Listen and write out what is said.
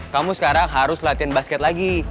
kamu sekarang harus latihan basket lagi